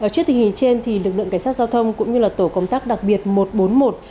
trước tình hình trên lực lượng cảnh sát giao thông cũng như tổ công tác đặc biệt một trăm bốn mươi một